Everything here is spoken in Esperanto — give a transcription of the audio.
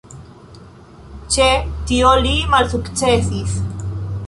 Ĉe tio li malsukcesis.